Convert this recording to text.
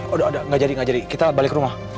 udah udah gak jadi gak jadi kita balik rumah